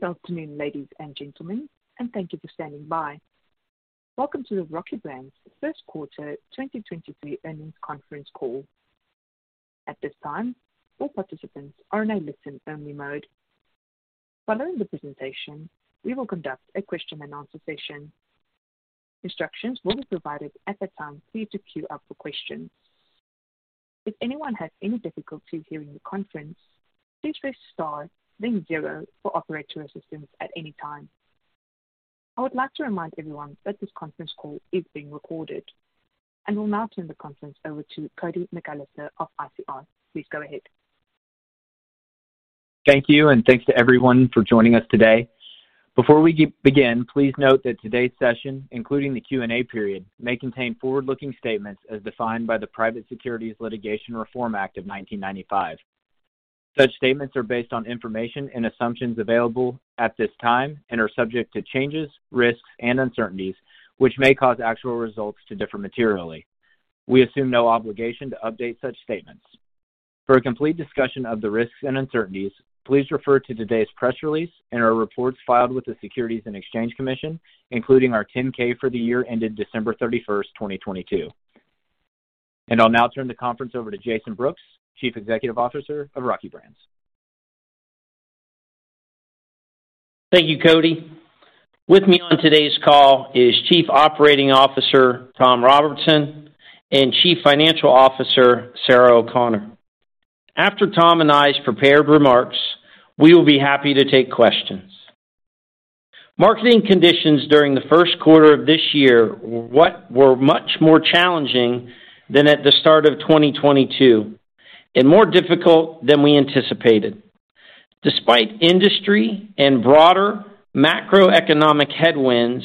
Good afternoon, ladies and gentlemen, thank you for standing by. Welcome to the Rocky Brands First Quarter 2023 Earnings Conference Call. At this time, all participants are in a listen-only mode. Following the presentation, we will conduct a question and answer session. Instructions will be provided at that time for you to queue up for questions. If anyone has any difficulty hearing the conference, please press star then zero for operator assistance at any time. I would like to remind everyone that this conference call is being recorded. We'll now turn the conference over to Cody McAllister of ICR. Please go ahead. Thank you. Thanks to everyone for joining us today. Before we begin, please note that today's session, including the Q&A period, may contain forward-looking statements as defined by the Private Securities Litigation Reform Act of 1995. Such statements are based on information and assumptions available at this time and are subject to changes, risks, and uncertainties, which may cause actual results to differ materially. We assume no obligation to update such statements. For a complete discussion of the risks and uncertainties, please refer to today's press release and our reports filed with the Securities and Exchange Commission, including our 10-K for the year ended December 31st, 2022. I'll now turn the conference over to Jason Brooks, Chief Executive Officer of Rocky Brands. Thank you, Cody. With me on today's call is Chief Operating Officer Tom Robertson and Chief Financial Officer Sarah O'Connor. After Tom and I's prepared remarks, we will be happy to take questions. Marketing conditions during the first quarter of this year were much more challenging than at the start of 2022 and more difficult than we anticipated. Despite industry and broader macroeconomic headwinds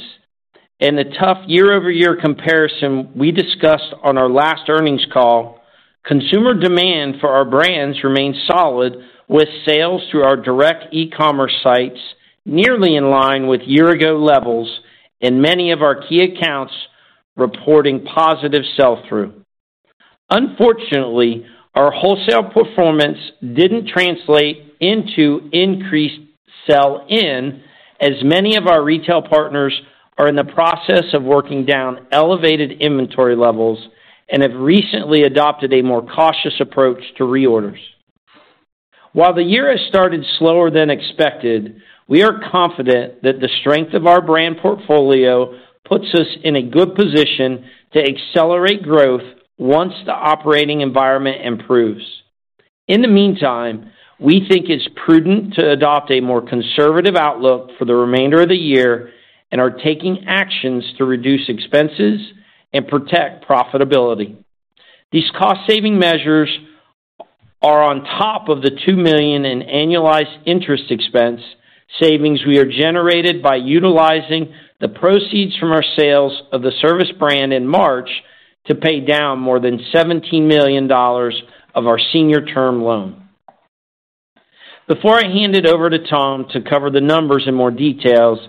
and the tough year-over-year comparison we discussed on our last earnings call, consumer demand for our brands remained solid, with sales through our direct e-commerce sites nearly in line with year-ago levels and many of our key accounts reporting positive sell-through. Unfortunately, our wholesale performance didn't translate into increased sell-in, as many of our retail partners are in the process of working down elevated inventory levels and have recently adopted a more cautious approach to reorders. While the year has started slower than expected, we are confident that the strength of our brand portfolio puts us in a good position to accelerate growth once the operating environment improves. In the meantime, we think it's prudent to adopt a more conservative outlook for the remainder of the year and are taking actions to reduce expenses and protect profitability. These cost-saving measures are on top of the $2 million in annualized interest expense savings we have generated by utilizing the proceeds from our sales of the Servus brand in March to pay down more than $17 million of our senior term loan. Before I hand it over to Tom to cover the numbers in more details,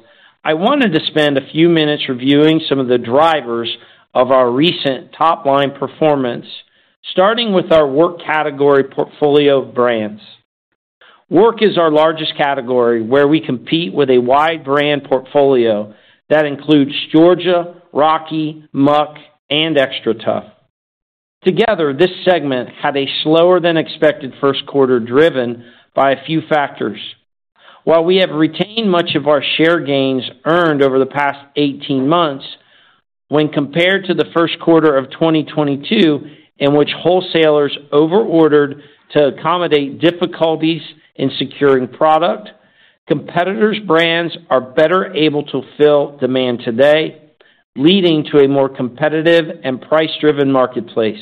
I wanted to spend a few minutes reviewing some of the drivers of our recent top-line performance, starting with our work category portfolio of brands. Work is our largest category, where we compete with a wide brand portfolio that includes Georgia, Rocky, Muck, and XTRATUF. Together, this segment had a slower-than-expected first quarter, driven by a few factors. While we have retained much of our share gains earned over the past 18 months when compared to the first quarter of 2022, in which wholesalers over-ordered to accommodate difficulties in securing product, competitors' brands are better able to fill demand today, leading to a more competitive and price-driven marketplace.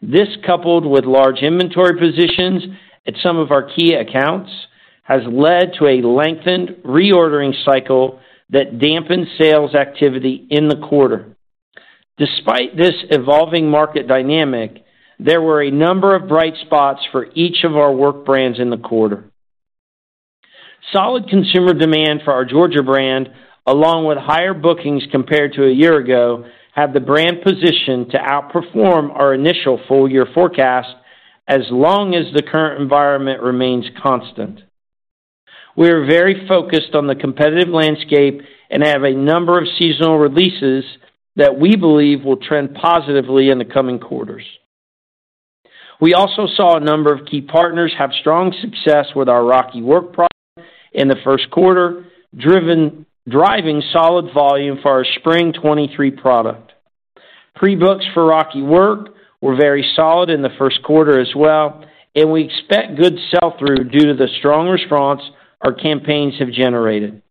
This, coupled with large inventory positions at some of our key accounts, has led to a lengthened reordering cycle that dampened sales activity in the quarter. Despite this evolving market dynamic, there were a number of bright spots for each of our work brands in the quarter. Solid consumer demand for our Georgia Boot, along with higher bookings compared to a year ago, have the brand positioned to outperform our initial full-year forecast as long as the current environment remains constant. We are very focused on the competitive landscape and have a number of seasonal releases that we believe will trend positively in the coming quarters. We also saw a number of key partners have strong success with our Rocky Work product in the first quarter, driving solid volume for our spring 23 product. Pre-books for Rocky Work were very solid in the first quarter as well. We expect good sell-through due to the strong response our campaigns have generated.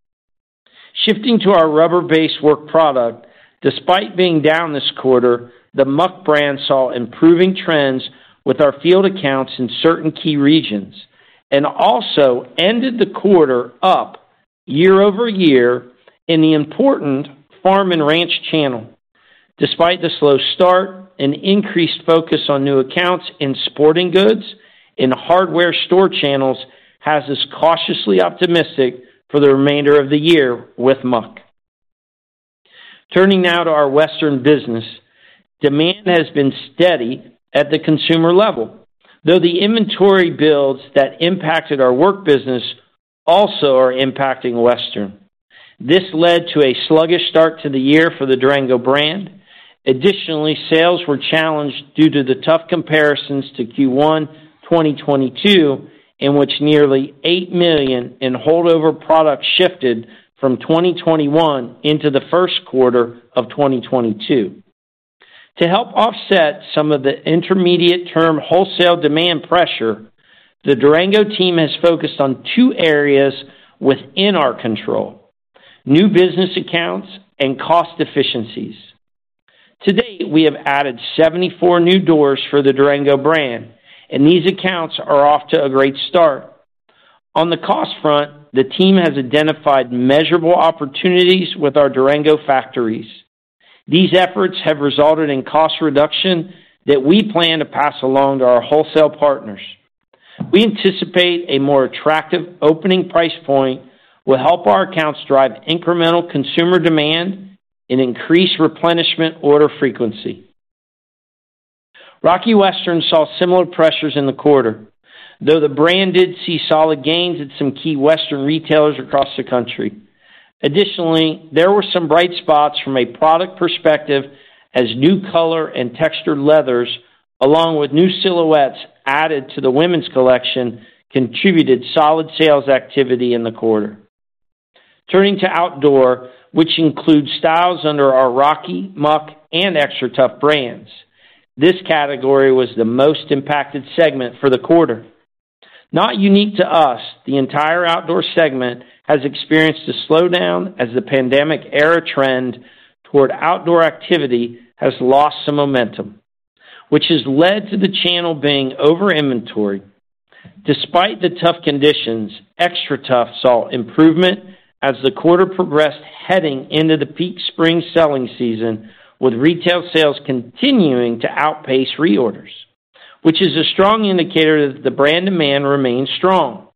Shifting to our rubber-based work product, despite being down this quarter, the Muck brand saw improving trends with our field accounts in certain key regions and also ended the quarter up year-over-year in the important farm and ranch channel. Despite the slow start and increased focus on new accounts in sporting goods and hardware store channels has us cautiously optimistic for the remainder of the year with Muck. Turning now to our Western business. Demand has been steady at the consumer level, though the inventory builds that impacted our work business also are impacting Western. This led to a sluggish start to the year for the Durango brand. Additionally, sales were challenged due to the tough comparisons to Q1 2022, in which nearly $8 million in holdover products shifted from 2021 into the first quarter of 2022. To help offset some of the intermediate term wholesale demand pressure, the Durango team has focused on two areas within our control, new business accounts and cost efficiencies. To date, we have added 74 new doors for the Durango brand, and these accounts are off to a great start. On the cost front, the team has identified measurable opportunities with our Durango factories. These efforts have resulted in cost reduction that we plan to pass along to our wholesale partners. We anticipate a more attractive opening price point will help our accounts drive incremental consumer demand and increase replenishment order frequency. Rocky Western saw similar pressures in the quarter, though the brand did see solid gains at some key Western retailers across the country. There were some bright spots from a product perspective as new color and textured leathers, along with new silhouettes added to the women's collection, contributed solid sales activity in the quarter. Turning to outdoor, which includes styles under our Rocky, Muck, and XTRATUF brands, this category was the most impacted segment for the quarter. Not unique to us, the entire outdoor segment has experienced a slowdown as the pandemic era trend toward outdoor activity has lost some momentum, which has led to the channel being over inventoried. Despite the tough conditions, XTRATUF saw improvement as the quarter progressed heading into the peak spring selling season, with retail sales continuing to outpace reorders, which is a strong indicator that the brand demand remains strong.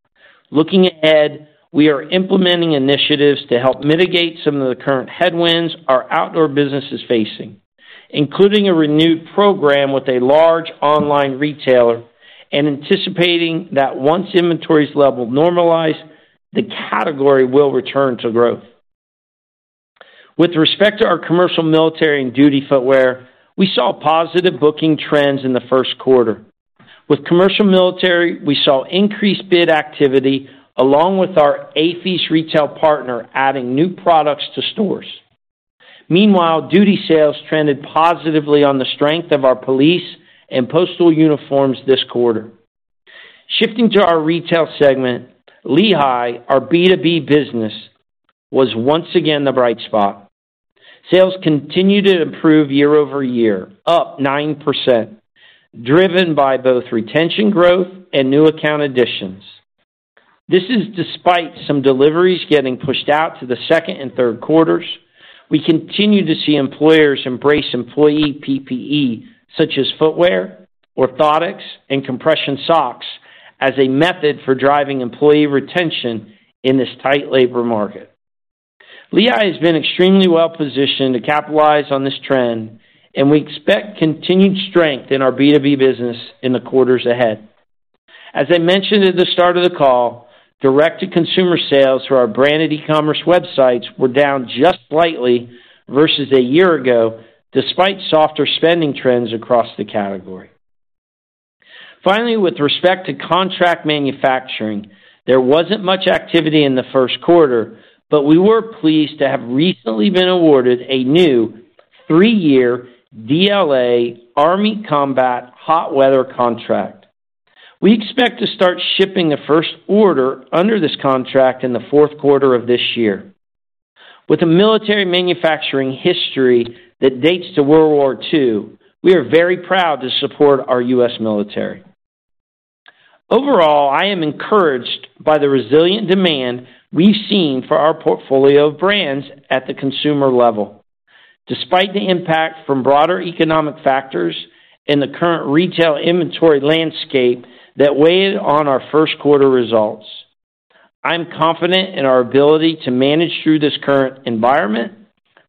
Looking ahead, we are implementing initiatives to help mitigate some of the current headwinds our outdoor business is facing, including a renewed program with a large online retailer and anticipating that once inventories level normalize, the category will return to growth. With respect to our commercial military and duty footwear, we saw positive booking trends in the first quarter. With commercial military, we saw increased bid activity along with our AAFES retail partner adding new products to stores. Meanwhile, duty sales trended positively on the strength of our police and postal uniforms this quarter. Shifting to our retail segment, Lehigh, our B2B business, was once again the bright spot. Sales continued to improve year-over-year, up 9%, driven by both retention growth and new account additions. This is despite some deliveries getting pushed out to the second and third quarters. We continue to see employers embrace employee PPE such as footwear, orthotics, and compression socks as a method for driving employee retention in this tight labor market. Lehigh has been extremely well positioned to capitalize on this trend, and we expect continued strength in our B2B business in the quarters ahead. As I mentioned at the start of the call, direct-to-consumer sales for our branded e-commerce websites were down just slightly versus a year ago, despite softer spending trends across the category. Finally, with respect to contract manufacturing, there wasn't much activity in the first quarter, but we were pleased to have recently been awarded a new three-year DLA Army Combat Hot Weather contract. We expect to start shipping the first order under this contract in the fourth quarter of this year. With a military manufacturing history that dates to World War II, we are very proud to support our U.S. military. Overall, I am encouraged by the resilient demand we've seen for our portfolio of brands at the consumer level. Despite the impact from broader economic factors and the current retail inventory landscape that weighed on our first quarter results. I'm confident in our ability to manage through this current environment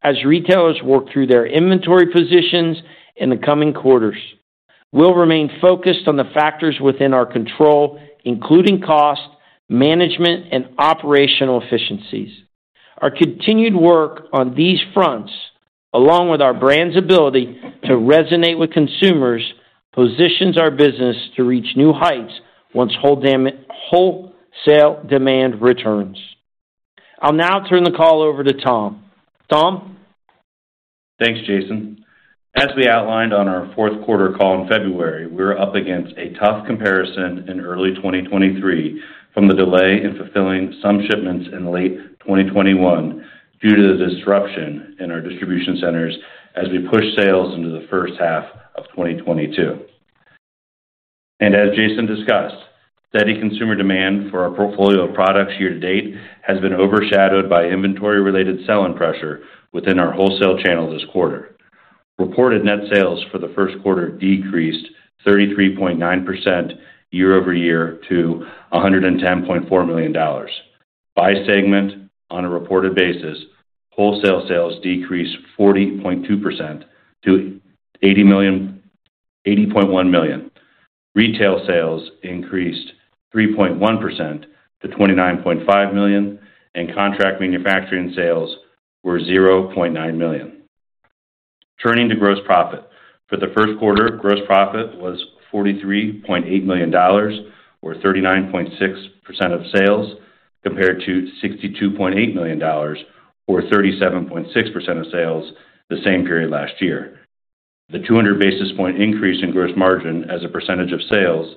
as retailers work through their inventory positions in the coming quarters. We'll remain focused on the factors within our control, including cost, management, and operational efficiencies. Our continued work on these fronts, along with our brand's ability to resonate with consumers, positions our business to reach new heights once wholesale demand returns. I'll now turn the call over to Tom? Thanks, Jason. As we outlined on our fourth quarter call in February, we're up against a tough comparison in early 2023 from the delay in fulfilling some shipments in late 2021 due to the disruption in our distribution centers as we push sales into the first half of 2022. As Jason discussed, steady consumer demand for our portfolio of products year to date has been overshadowed by inventory-related selling pressure within our wholesale channel this quarter. Reported net sales for the first quarter decreased 33.9% year-over-year to $110.4 million. By segment on a reported basis, wholesale sales decreased 40.2% to $80.1 million. Retail sales increased 3.1% to $29.5 million, and contract manufacturing sales were $0.9 million. Turning to gross profit. For the first quarter, gross profit was $43.8 million or 39.6% of sales, compared to $62.8 million or 37.6% of sales the same period last year. The 200 basis point increase in gross margin as a percentage of sales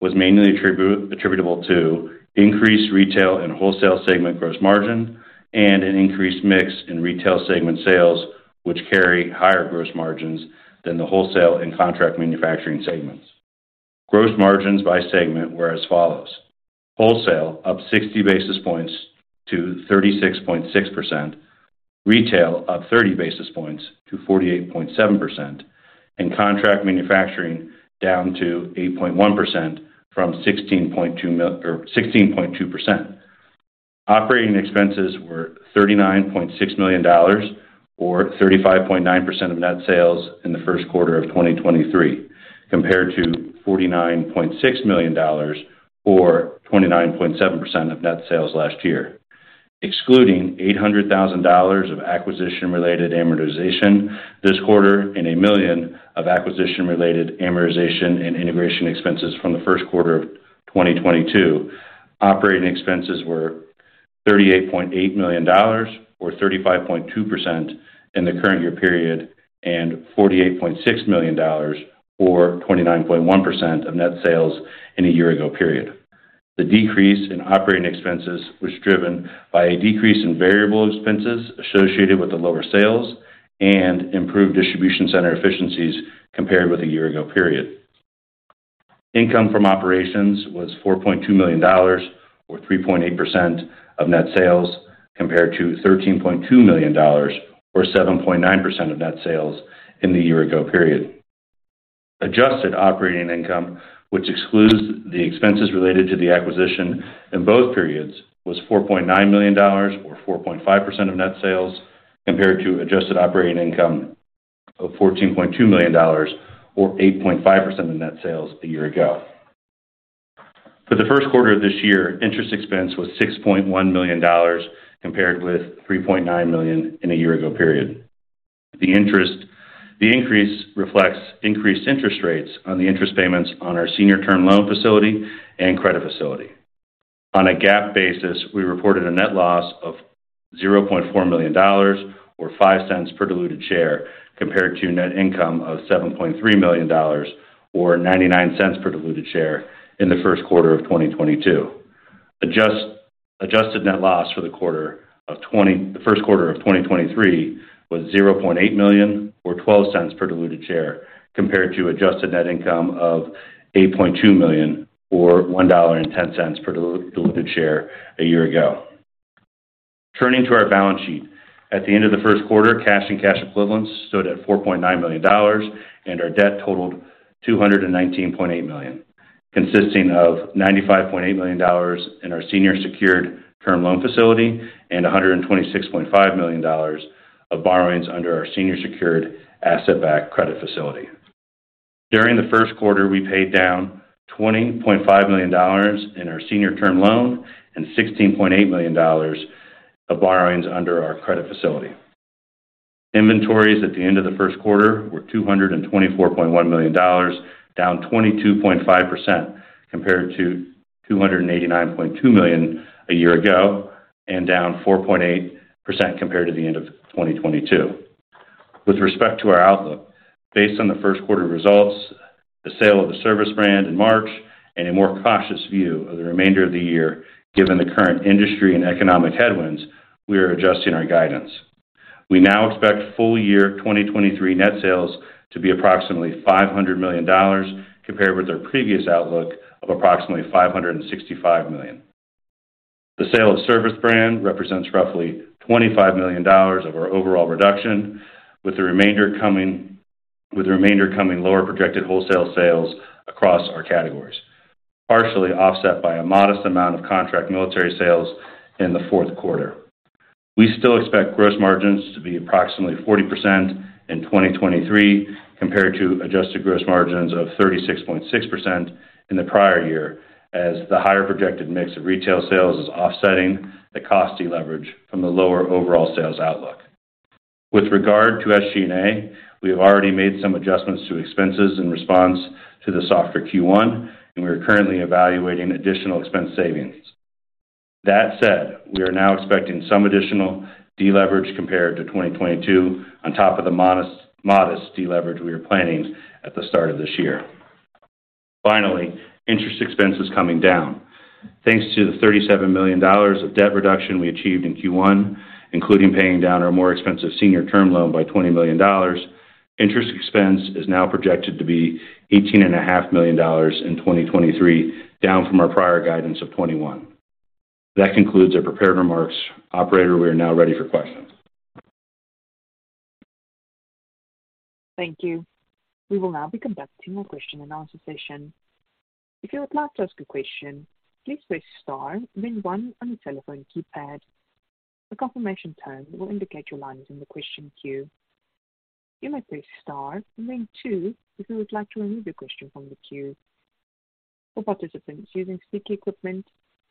was mainly attributable to increased retail and wholesale segment gross margin and an increased mix in retail segment sales, which carry higher gross margins than the wholesale and contract manufacturing segments. Gross margins by segment were as follows: wholesale up 60 basis points to 36.6%, retail up 30 basis points to 48.7%, and contract manufacturing down to 8.1% from 16.2%. Operating expenses were $39.6 million or 35.9% of net sales in the first quarter of 2023, compared to $49.6 million or 29.7% of net sales last year. Excluding $800,000 of acquisition-related amortization this quarter and $1 million of acquisition-related amortization and integration expenses from the first quarter of 2022, operating expenses were $38.8 million or 35.2% in the current year period and $48.6 million or 29.1% of net sales in a year ago period. The decrease in operating expenses was driven by a decrease in variable expenses associated with the lower sales and improved distribution center efficiencies compared with the year ago period. Income from operations was $4.2 million or 3.8% of net sales, compared to $13.2 million or 7.9% of net sales in the year-ago period. Adjusted operating income, which excludes the expenses related to the acquisition in both periods, was $4.9 million or 4.5% of net sales, compared to adjusted operating income of $14.2 million or 8.5% of net sales a year ago. For the first quarter of this year, interest expense was $6.1 million, compared with $3.9 million in a year-ago period. The increase reflects increased interest rates on the interest payments on our senior term loan facility and credit facility. On a GAAP basis, we reported a net loss of $0.4 million or $0.05 per diluted share, compared to net income of $7.3 million or $0.99 per diluted share in the first quarter of 2022. Adjusted net loss for the first quarter of 2023 was $0.8 million or $0.12 per diluted share, compared to adjusted net income of $8.2 million or $1.10 per diluted share a year ago. Turning to our balance sheet. At the end of the first quarter, cash and cash equivalents stood at $4.9 million and our debt totaled $219.8 million, consisting of $95.8 million in our senior secured term loan facility and $126.5 million of borrowings under our senior secured asset-backed credit facility. During the first quarter, we paid down $20.5 million in our senior term loan and $16.8 million of borrowings under our credit facility. Inventories at the end of the first quarter were $224.1 million, down 22.5% compared to $289.2 million a year ago, and down 4.8% compared to the end of 2022. With respect to our outlook. Based on the first quarter results, the sale of the Servus brand in March, and a more cautious view of the remainder of the year, given the current industry and economic headwinds, we are adjusting our guidance. We now expect full year 2023 net sales to be approximately $500 million compared with our previous outlook of approximately $565 million. The sale of Servus brand represents roughly $25 million of our overall reduction, with the remainder coming lower projected wholesale sales across our categories, partially offset by a modest amount of contract military sales in the fourth quarter. We still expect gross margins to be approximately 40% in 2023 compared to adjusted gross margins of 36.6% in the prior year, as the higher projected mix of retail sales is offsetting the cost deleverage from the lower overall sales outlook. With regard to SG&A, we have already made some adjustments to expenses in response to the softer Q1, and we are currently evaluating additional expense savings. That said, we are now expecting some additional deleverage compared to 2022 on top of the modest deleverage we were planning at the start of this year. Finally, interest expense is coming down. Thanks to the $37 million of debt reduction we achieved in Q1, including paying down our more expensive senior term loan by $20 million, interest expense is now projected to be 18 and a half million dollars in 2023, down from our prior guidance of $21 million. That concludes our prepared remarks. Operator, we are now ready for questions. Thank you. We will now be conducting our question and answer session. If you would like to ask a question, please press star then one on your telephone keypad. A confirmation tone will indicate your line is in the question queue. You may press star and then two if you would like to remove your question from the queue. For participants using speaker equipment,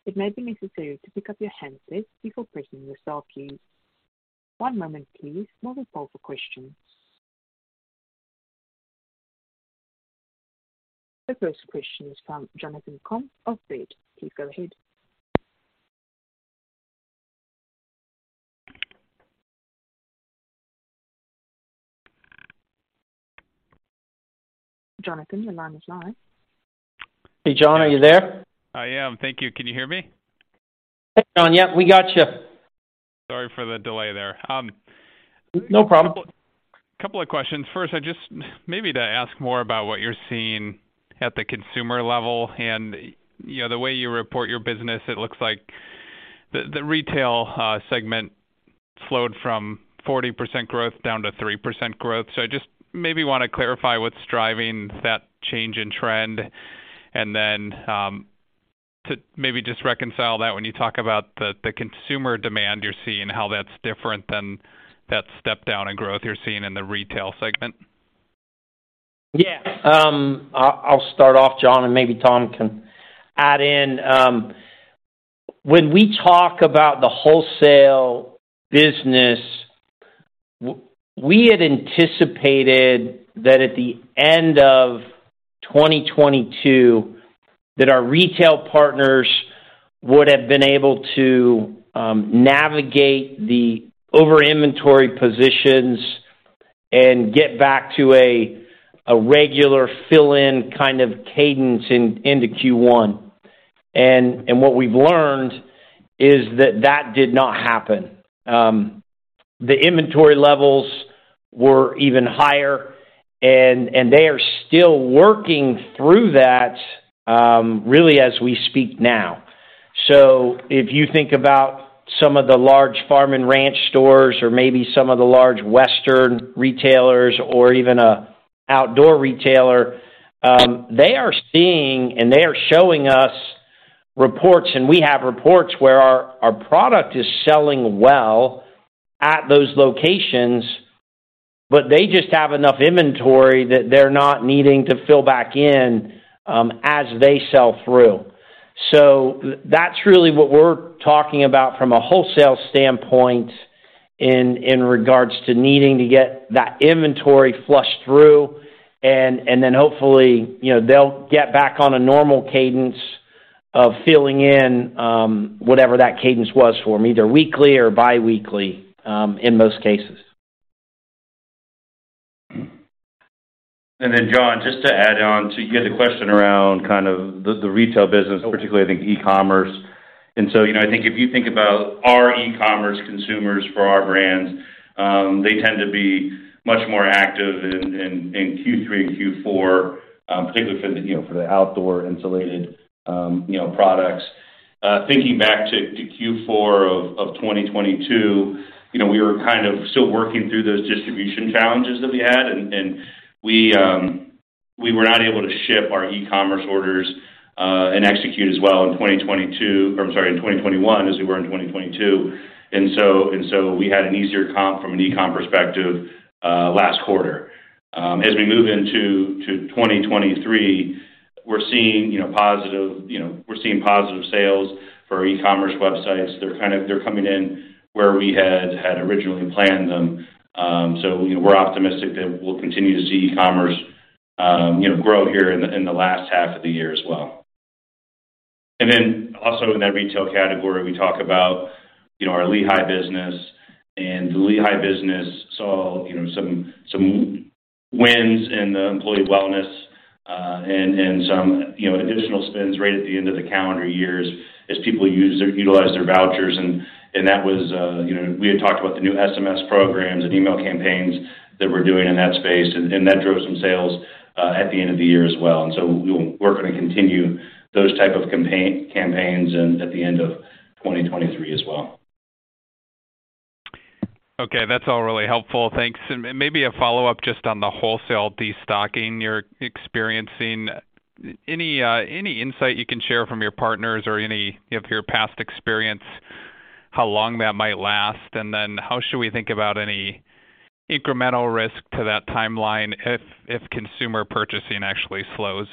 it may be necessary to pick up your handset before pressing the star key. One moment please while we poll for questions. The first question is from Jonathan Komp of Baird. Please go ahead. Jonathan, your line is live. Hey, John, are you there? I am. Thank you. Can you hear me? Hey, John. Yep, we got you. Sorry for the delay there. No problem. Couple of questions. First, I just maybe to ask more about what you're seeing at the consumer level and, you know, the way you report your business, it looks like the retail segment slowed from 40% growth down to 3% growth. I just maybe want to clarify what's driving that change in trend, and then to maybe just reconcile that when you talk about the consumer demand you're seeing, how that's different than that step down in growth you're seeing in the retail segment. Yeah. I'll start off, John, and maybe Tom can add in. When we talk about the wholesale business, we had anticipated that at the end of 2022, that our retail partners would have been able to navigate the over inventory positions and get back to a regular fill in kind of cadence into Q1. What we've learned is that that did not happen. The inventory levels were even higher and they are still working through that really as we speak now. If you think about some of the large farm and ranch stores or maybe some of the large western retailers or even a outdoor retailer, they are seeing and they are showing us reports, and we have reports where our product is selling well at those locations, but they just have enough inventory that they're not needing to fill back in as they sell through. That's really what we're talking about from a wholesale standpoint in regards to needing to get that inventory flushed through and then hopefully, you know, they'll get back on a normal cadence of filling in, whatever that cadence was for them, either weekly or bi-weekly, in most cases. John, just to add on to the other question around kind of the retail business, particularly I think e-commerce. You know, I think if you think about our e-commerce consumers for our brands, they tend to be much more active in Q3 and Q4, particularly for the, you know, for the outdoor insulated, you know, products. Thinking back to Q4 of 2022, you know, we were kind of still working through those distribution challenges that we had, and we were not able to ship our e-commerce orders, and execute as well in 2022 or I'm sorry, in 2021 as we were in 2022. We had an easier comp from an e-comm perspective, last quarter. As we move into 2023, we're seeing, you know, positive sales for e-commerce websites. They're coming in where we had originally planned them. You know, we're optimistic that we'll continue to see e-commerce, you know, grow here in the last half of the year as well. Also in that retail category, we talk about, you know, our Lehigh business. The Lehigh business saw, you know, some wins in the employee wellness and some, you know, additional spends right at the end of the calendar years as people utilize their vouchers. That was, you know, we had talked about the new SMS programs and email campaigns that we're doing in that space, and that drove some sales at the end of the year as well. We're gonna continue those type of campaigns at the end of 2023 as well. Okay. That's all really helpful. Thanks. Maybe a follow-up just on the wholesale destocking you're experiencing. Any insight you can share from your partners or any of your past experience, how long that might last? Then how should we think about any incremental risk to that timeline if consumer purchasing actually slows?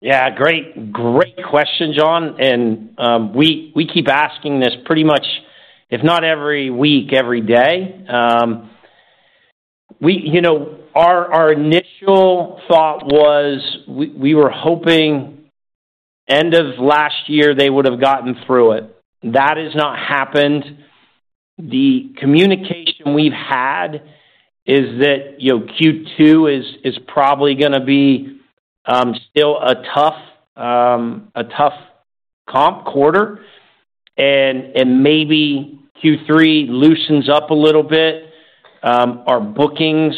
Yeah. Great question, John. We keep asking this pretty much, if not every week, every day. We, you know, our initial thought was we were hoping end of last year, they would have gotten through it. That has not happened. The communication we've had is that, you know, Q2 is probably gonna be still a tough, a tough comp quarter, and maybe Q3 loosens up a little bit. Our bookings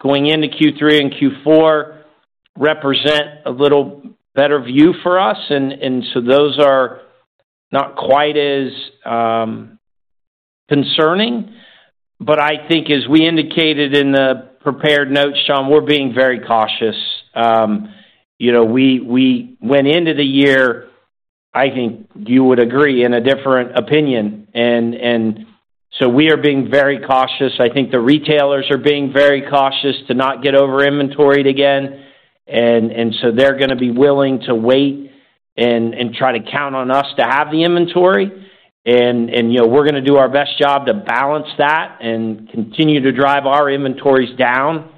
going into Q3 and Q4 represent a little better view for us. Those are not quite as concerning. I think as we indicated in the prepared notes, John, we're being very cautious. You know, we went into the year, I think you would agree, in a different opinion. We are being very cautious. I think the retailers are being very cautious to not get over-inventoried again. They're gonna be willing to wait and try to count on us to have the inventory. You know, we're gonna do our best job to balance that and continue to drive our inventories down,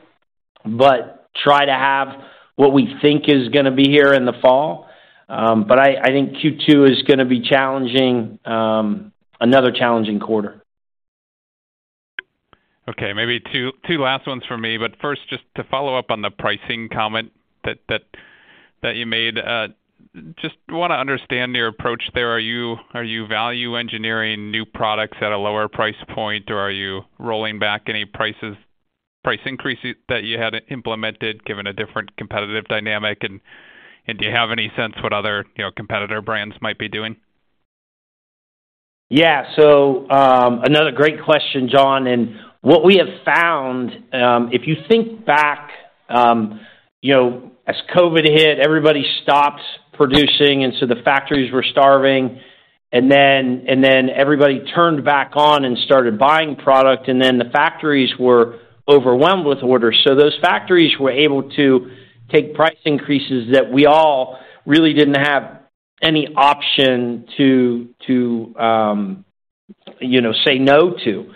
but try to have what we think is gonna be here in the fall. I think Q2 is gonna be challenging, another challenging quarter. Okay. Maybe two last ones for me. First, just to follow up on the pricing comment that you made. Just wanna understand your approach there. Are you value engineering new products at a lower price point, or are you rolling back any prices, price increases that you had implemented given a different competitive dynamic? Do you have any sense what other, you know, competitor brands might be doing? Yeah. Another great question, John. What we have found, if you think back, you know, as COVID hit, everybody stopped producing, and so the factories were starving. Then everybody turned back on and started buying product, and then the factories were overwhelmed with orders. Those factories were able to take price increases that we all really didn't have any option to, you know, say no to.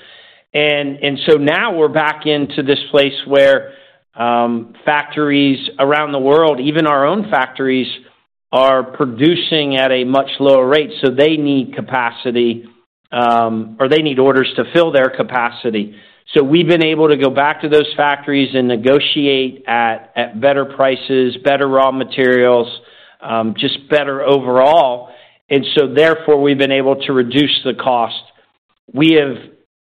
Now we're back into this place where factories around the world, even our own factories, are producing at a much lower rate, so they need capacity, or they need orders to fill their capacity. We've been able to go back to those factories and negotiate at better prices, better raw materials, just better overall. Therefore, we've been able to reduce the cost. We have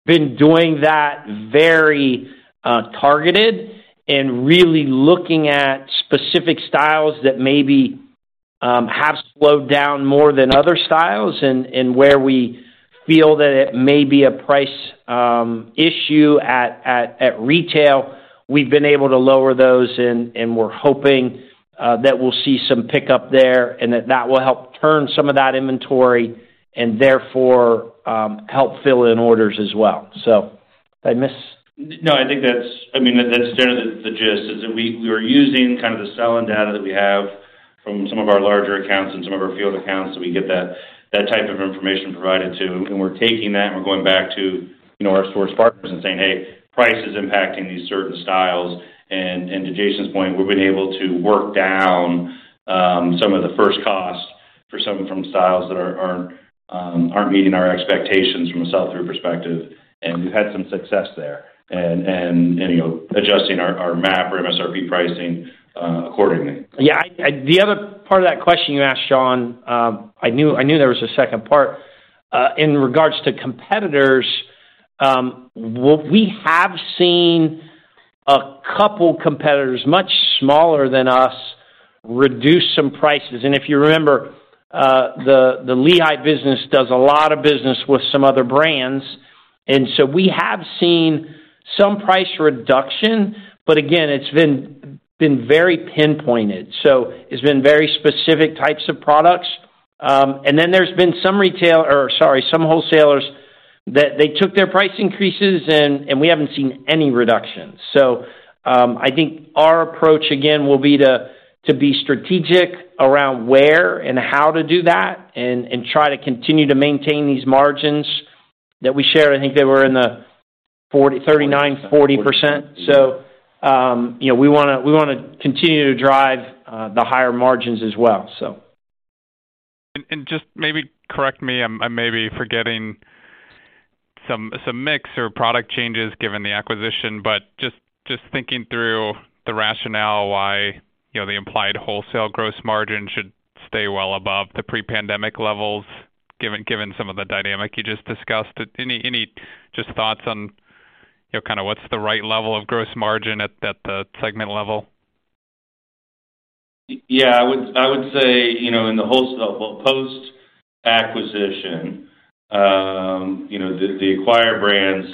been doing that very targeted and really looking at specific styles that maybe have slowed down more than other styles. Where we feel that it may be a price issue at retail, we've been able to lower those, and we're hoping that we'll see some pickup there and that will help turn some of that inventory and therefore, help fill in orders as well. Did I miss-? No, I think that's I mean, that's generally the gist, is that we are using kind of the selling data that we have from some of our larger accounts and some of our field accounts that we get that type of information provided to. We're taking that and we're going back to, you know, our source partners and saying, "Hey, price is impacting these certain styles." To Jason's point, we've been able to work down some of the first costs for some from styles that aren't meeting our expectations from a sell-through perspective, and we've had some success there. You know, adjusting our MAP or MSRP pricing accordingly. The other part of that question you asked, John, I knew there was a second part. In regards to competitors, what we have seen a couple competitors much smaller than us reduce some prices. If you remember, the Lehigh business does a lot of business with some other brands, and so we have seen some price reduction. Again, it's been very pinpointed. It's been very specific types of products. And then there's been some retail or sorry, some wholesalers that they took their price increases and we haven't seen any reductions. I think our approach again will be to be strategic around where and how to do that and try to continue to maintain these margins that we share. I think they were in the 40%, 39%, 40%. You know, we wanna continue to drive, the higher margins as well, so. Just maybe correct me, I'm maybe forgetting some mix or product changes given the acquisition, but just thinking through the rationale why, you know, the implied wholesale gross margin should stay well above the pre-pandemic levels given some of the dynamic you just discussed. Any just thoughts on, you know, kind of what's the right level of gross margin at the segment level? Yeah. I would say, you know, in the post-acquisition, you know, the acquired brands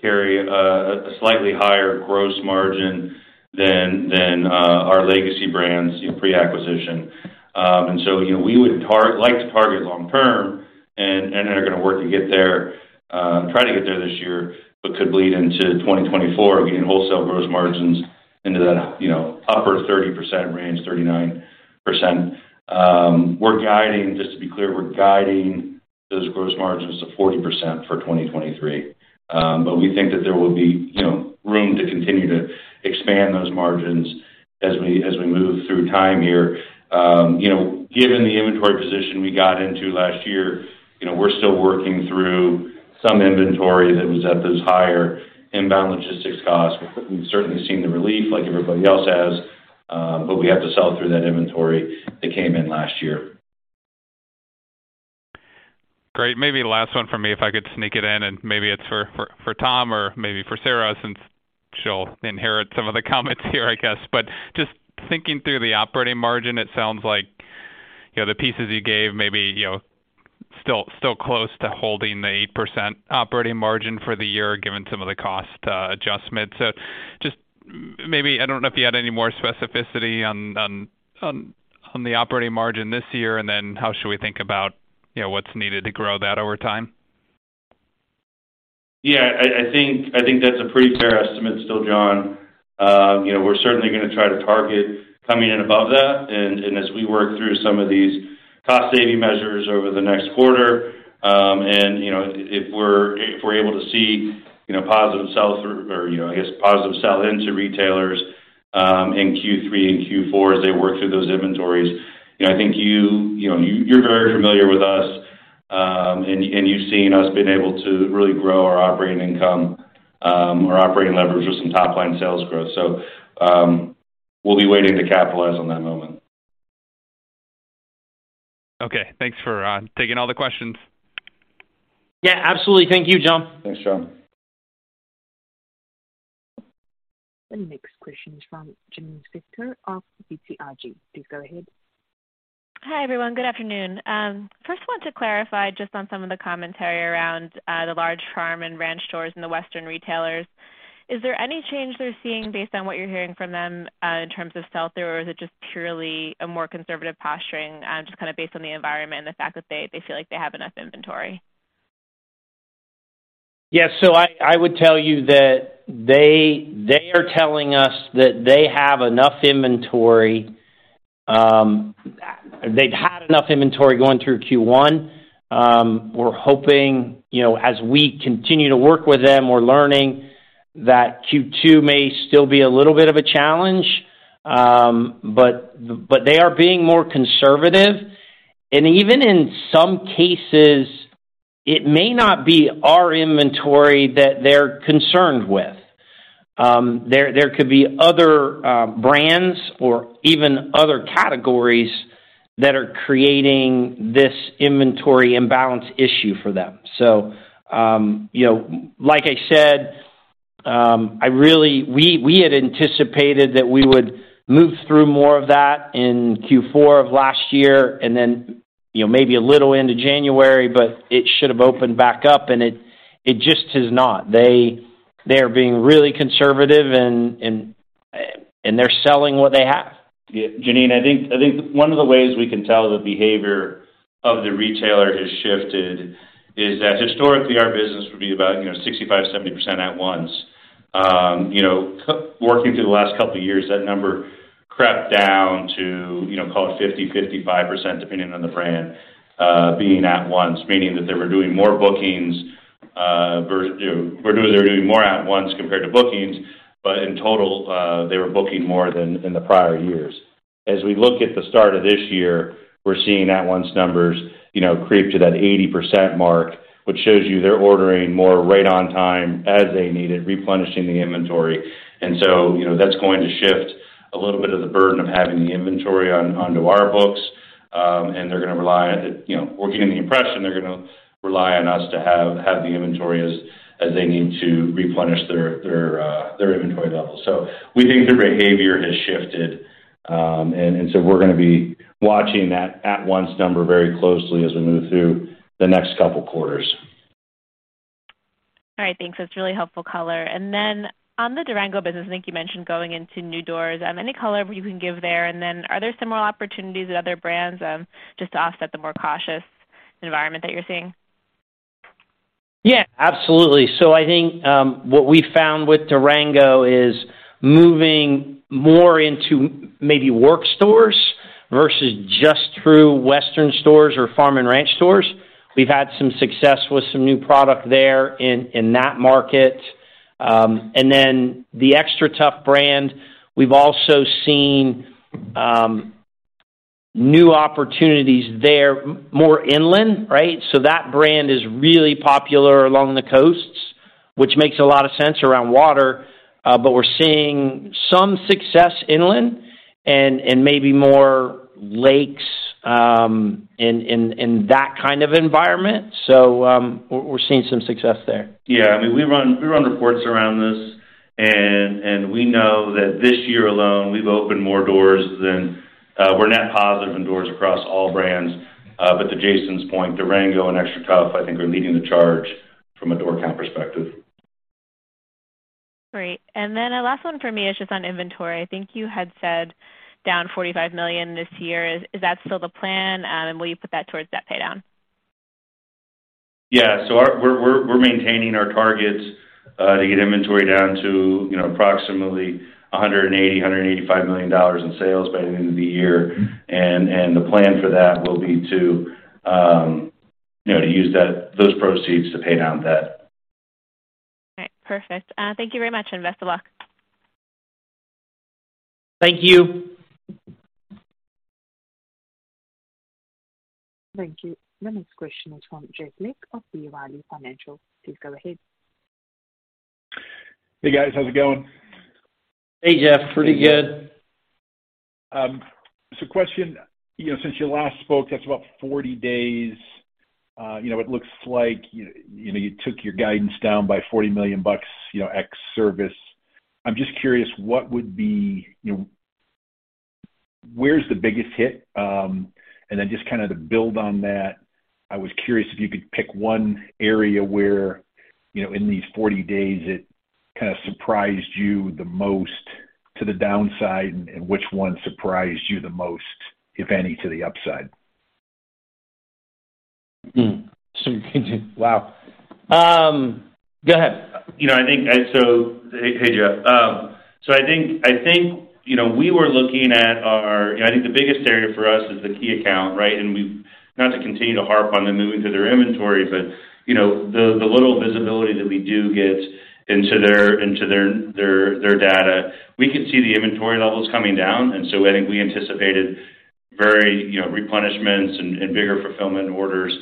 carry a slightly higher gross margin than our legacy brands in pre-acquisition. We would like to target long term and are gonna work to get there, try to get there this year, but could lead into 2024 of getting wholesale gross margins into that, you know, upper 30% range, 39%. We're guiding. Just to be clear, we're guiding those gross margins to 40% for 2023. We think that there will be, you know, room to continue to expand those margins as we move through time here. You know, given the inventory position we got into last year, you know, we're still working through some inventory that was at those higher inbound logistics costs. We've certainly seen the relief like everybody else has, we have to sell through that inventory that came in last year. Great. Maybe the last one for me, if I could sneak it in, and maybe it's for Tom or maybe for Sarah, since she'll inherit some of the comments here, I guess. Just thinking through the operating margin, it sounds like, you know, the pieces you gave maybe, you know, still close to holding the 8% operating margin for the year, given some of the cost adjustments. Just maybe I don't know if you had any more specificity on the operating margin this year, and then how should we think about, you know, what's needed to grow that over time? Yeah, I think that's a pretty fair estimate still, John. You know, we're certainly gonna try to target coming in above that. As we work through some of these cost-saving measures over the next quarter, and, you know, if we're able to see, you know, positive sell-through or, you know, I guess, positive sell into retailers, in Q3 and Q4 as they work through those inventories. You know, I think you know, you're very familiar with us, and you've seen us being able to really grow our operating income, our operating leverage with some top-line sales growth. We'll be waiting to capitalize on that moment. Okay. Thanks for taking all the questions. Yeah, absolutely. Thank you, John. Thanks, John. The next question is from Janine Stichter of BTIG. Please go ahead. Hi, everyone. Good afternoon. First want to clarify just on some of the commentary around the large farm and ranch stores in the Western retailers. Is there any change they're seeing based on what you're hearing from them in terms of sell-through? Or is it just purely a more conservative posturing kinda based on the environment and the fact that they feel like they have enough inventory? I would tell you that they are telling us that they have enough inventory, they've had enough inventory going through Q1. We're hoping, you know, as we continue to work with them, we're learning that Q2 may still be a little bit of a challenge. But they are being more conservative. Even in some cases, it may not be our inventory that they're concerned with. There, there could be other brands or even other categories that are creating this inventory imbalance issue for them. You know, like I said, We, we had anticipated that we would move through more of that in Q4 of last year and then, you know, maybe a little into January, but it should have opened back up, and it just has not. They are being really conservative and they're selling what they have. Yeah. Janine, I think one of the ways we can tell the behavior of the retailer has shifted is that historically our business would be about, you know, 65%, 70% at-once. You know, working through the last couple of years, that number crept down to, you know, call it 50%, 55%, depending on the brand, being at-once, meaning that they were doing more bookings, you know, they were doing more at-once compared to bookings, but in total, they were booking more than in the prior years. As we look at the start of this year, we're seeing at-once numbers, you know, creep to that 80% mark, which shows you they're ordering more right on time as they need it, replenishing the inventory. You know, that's going to shift a little bit of the burden of having the inventory on, onto our books. They're gonna rely, you know, or given the impression they're gonna rely on us to have the inventory as they need to replenish their inventory levels. We think their behavior has shifted. We're gonna be watching that at-once number very closely as we move through the next couple quarters. All right. Thanks. That's really helpful color. On the Durango business, I think you mentioned going into new doors. Any color you can give there? Are there similar opportunities at other brands, just to offset the more cautious environment that you're seeing? Absolutely. I think what we found with Durango is moving more into maybe work stores versus just through Western stores or farm and ranch stores. We've had some success with some new product there in that market. The XTRATUF brand, we've also seen new opportunities there more inland, right? That brand is really popular along the coasts, which makes a lot of sense around water, but we're seeing some success inland and maybe more lakes in that kind of environment. We're seeing some success there. Yeah. I mean, we run reports around this, and we know that this year alone, we've opened more doors than we're net positive in doors across all brands. To Jason's point, Durango and XTRATUF, I think are leading the charge from a door count perspective. Great. A last one for me is just on inventory. I think you had said down $45 million this year. Is that still the plan? Will you put that towards debt paydown? Yeah. We're maintaining our targets to get inventory down to, you know, approximately $180 million-$185 million in sales by the end of the year. The plan for that will be to, you know, to use those proceeds to pay down debt. All right. Perfect. Thank you very much, and best of luck. Thank you. Thank you. The next question is from Jeff Van Sinderen of B. Riley Financial. Please go ahead. Hey guys, how's it going? Hey, Jeff. Pretty good. Question. You know, since you last spoke, that's about 40 days, you know, it looks like, you know, you took your guidance down by $40 million, you know, ex Servus. I'm just curious, you know, where's the biggest hit? Just kinda to build on that, I was curious if you could pick one area where, you know, in these 40 days it kinda surprised you the most to the downside, and which one surprised you the most, if any, to the upside. Wow. Go ahead. You know, Hey, Jeff. So I think, you know, we were looking at I think the biggest area for us is the key account, right? We've not to continue to harp on them moving through their inventory, but, you know, the little visibility that we do get into their data, we can see the inventory levels coming down, and so I think we anticipated very, you know, replenishments and bigger fulfillment orders.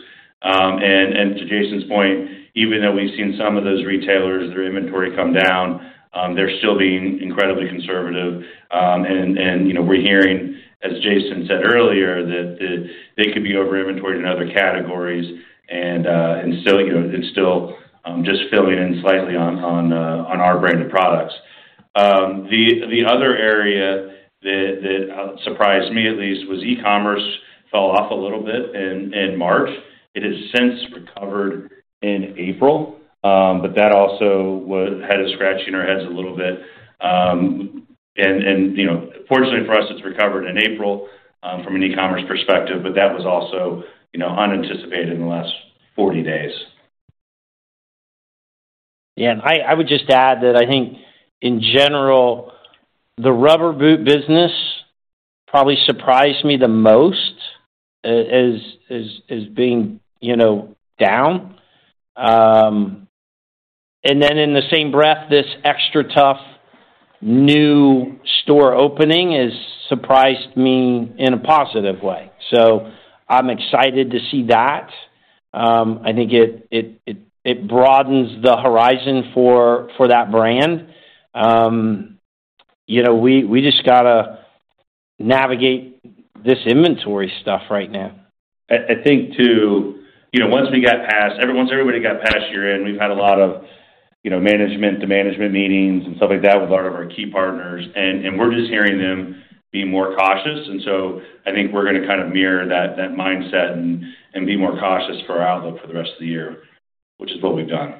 To Jason's point, even though we've seen some of those retailers, their inventory come down, they're still being incredibly conservative. You know, we're hearing, as Jason said earlier, that they could be over-inventoried in other categories and still, you know, just filling in slightly on our branded products. The other area that surprised me at least was e-commerce fell off a little bit in March. It has since recovered in April. That also had us scratching our heads a little bit. Fortunately for us, it's recovered in April, from an e-commerce perspective. That was also, you know, unanticipated in the last 40 days. Yeah. I would just add that I think in general, the rubber boot business probably surprised me the most, as being, you know, down. In the same breath, this XTRATUF new store opening has surprised me in a positive way. I'm excited to see that. I think it broadens the horizon for that brand. You know, we just gotta navigate this inventory stuff right now. I think too, you know, once we got past everybody got past year-end, we've had a lot of, you know, management to management meetings and stuff like that with a lot of our key partners, and we're just hearing them be more cautious. I think we're gonna kind of mirror that mindset and be more cautious for our outlook for the rest of the year, which is what we've done.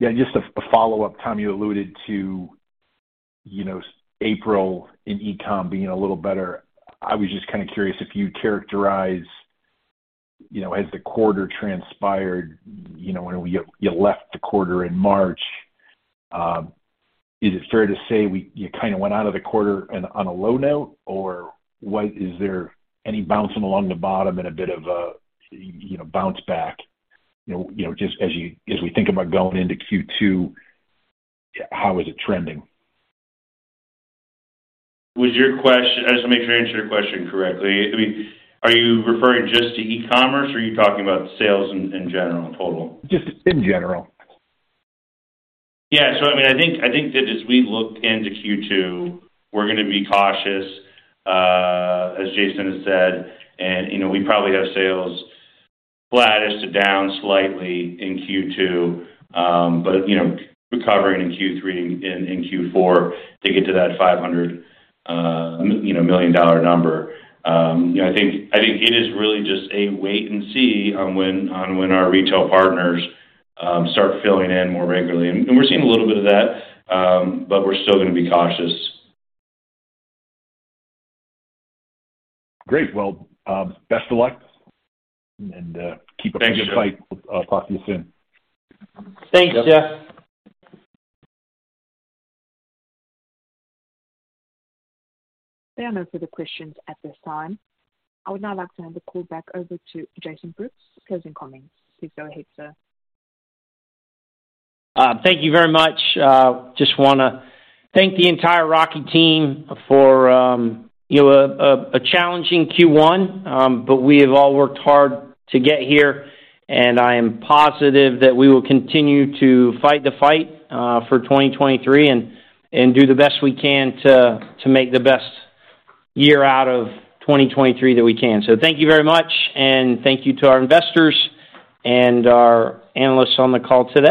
Yeah, just a follow-up, Tom, you alluded to, you know, April in e-com being a little better. I was just kinda curious if you'd characterize, you know, as the quarter transpired, you left the quarter in March, is it fair to say you kinda went out of the quarter on a low note? Is there any bouncing along the bottom and a bit of a, you know, bounce back? You know, just as we think about going into Q2, how is it trending? I just wanna make sure I answer your question correctly. I mean, are you referring just to e-commerce, or are you talking about sales in general, total? Just in general. I mean, I think that as we look into Q2, we're gonna be cautious, as Jason has said, and, you know, we probably have sales flattish to down slightly in Q2, but, you know, recovering in Q3 and Q4 to get to that $500 million number. You know, I think it is really just a wait and see on when our retail partners start filling in more regularly. We're seeing a little bit of that, but we're still gonna be cautious. Great. Well, best of luck. Thanks, Jeff. Keep up the fight. Talk to you soon. Thanks, Jeff. There are no further questions at this time. I would now like to hand the call back over to Jason Brooks, closing comments. Please go ahead, sir. Thank you very much. Just wanna thank the entire Rocky team for, you know, a challenging Q1. We have all worked hard to get here, and I am positive that we will continue to fight the fight for 2023 and do the best we can to make the best year out of 2023 that we can. Thank you very much, and thank you to our investors and our analysts on the call today.